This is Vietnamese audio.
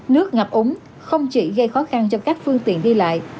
nước ngập úng không chỉ gây khó khăn cho các phương tiện đi lại